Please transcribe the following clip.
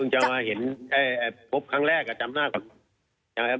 อ๋อเพิ่งจะมาเห็นใช่พบครั้งแรกอ่ะจำหน้ากลับ